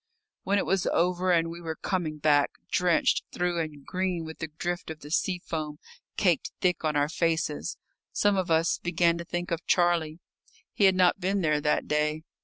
When it was over and we were coming back, drenched through and green with the drift of the sea foam caked thick on our faces, some of us began to think of Charlie. He had not been there that day.